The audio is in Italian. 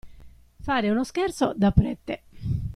Fare uno scherzo da prete.